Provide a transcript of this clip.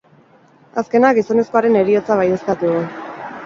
Azkenak gizonezkoaren heriotza baieztatu du.